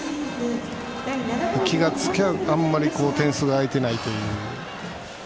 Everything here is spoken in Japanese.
気が付けばあんまり点数が開いてないという。